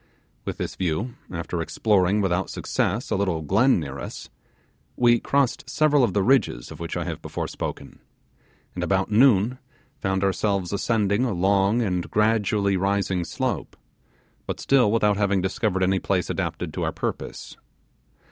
With this view, after exploring without success a little glen near us, we crossed several of the ridges of which I have before spoken; and about noon found ourselves ascending a long and gradually rising slope, but still without having discovered any place adapted to our purpose.